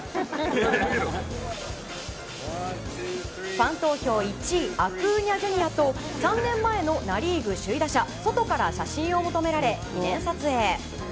ファン投票１位アクーニャＪｒ．と３年前のナ・リーグ首位打者ソトから写真を求められ記念撮影。